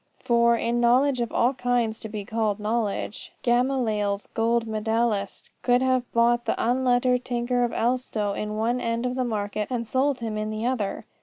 For, in knowledge of all kinds to be called knowledge, Gamaliel's gold medallist could have bought the unlettered tinker of Elstow in one end of the market and sold him in the other.